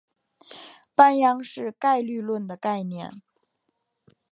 半鞅是概率论的概念。